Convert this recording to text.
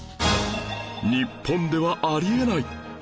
日本ではあり得ないん？